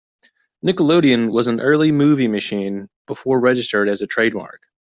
"Nickelodeon" was an early movie machine before registered as a trademark.